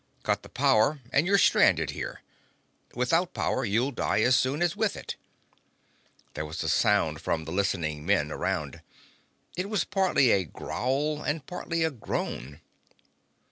Cut the power and you're still stranded here. Without power you'll die as soon as with it." There was a sound from the listening men around. It was partly a growl and partly a groan.